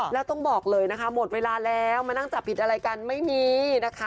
แล้วต้องบอกเลยนะคะหมดเวลาแล้วมานั่งจับผิดอะไรกันไม่มีนะคะ